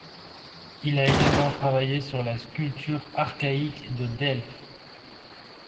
Il a également travaillé sur la sculpture archaïque de Delphes.